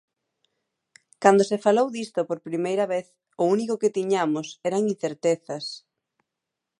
Cando se falou disto por primeira vez, o único que tiñamos eran incertezas.